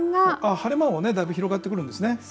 晴れ間もだいぶ広がってくるんですね。